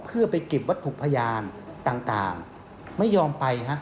เพื่อไปเก็บวัตถุพยานต่างไม่ยอมไปฮะ